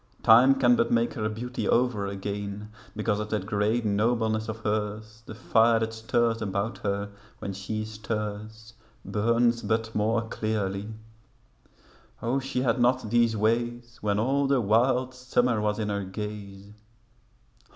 Time can but make her beauty over again Because of that great nobleness of hers; The fire that stirs about her, when she stirs Burns but more clearly; O she had not these ways When all the wild summer was in her gaze.